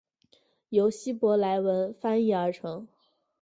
由希伯来文翻译而成。